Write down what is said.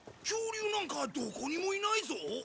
恐竜なんかどこにもいないぞ。